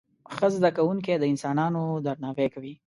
ښه زده کوونکي د انسانانو درناوی کوي.